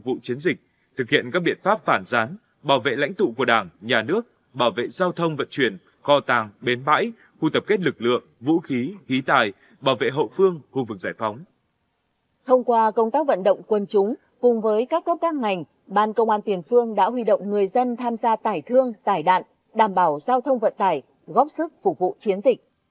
với khối lượng công việc đồ sộ phục vụ chiến dịch trong thời gian ngắn ban công an tiền phương đã huy động đông đảo cán bộ chiến dịch